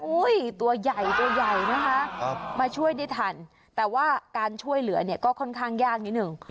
ตัวใหญ่ตัวใหญ่นะคะมาช่วยได้ทันแต่ว่าการช่วยเหลือเนี่ยก็ค่อนข้างยากนิดหนึ่ง